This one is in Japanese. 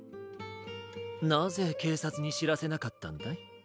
なぜけいさつにしらせなかったんだい？